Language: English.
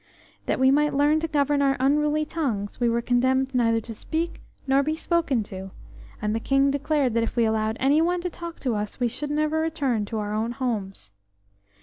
That we might learn to govern our unruly tongues, we were condemned neither to speak nor be spoken to, and the King declared that if we allowed anyone to talk to us, we should never return to our own homes.